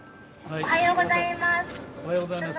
おはようございます。